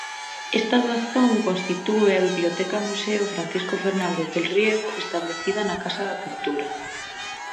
Esta doazón constitúe a Biblioteca-Museo Francisco Fernández del Riego, establecida na Casa da Cultura.